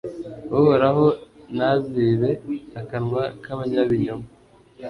Uhoraho nazibe akanwa k’abanyabinyoma